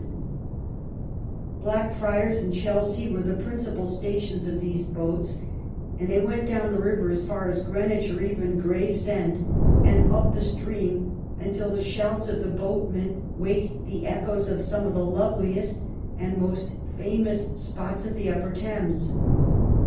213 THE REIGN OP QUEEN ANNE Blackfriars and Chelsea were the principal stations of these boats, and thej went down the river as far as Greenwich or even Gravesend and up the stream until the shouts of the boatmen waked the echoes of some of the loveliest and most famous spots of the upper Thames.